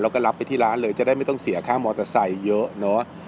แล้วก็รับไปที่ร้านเลยจะได้ไม่ต้องเสียค่ามอเตอร์ไซค์เยอะเนอะ